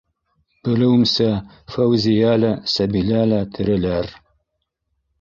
Белеүемсә, Фәүзиә лә, Сәбилә лә тереләр...